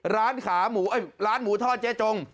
ร้านหมูทอดเจ๊จง